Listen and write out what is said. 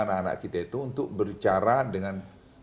anak anak kita itu untuk berbicara dengan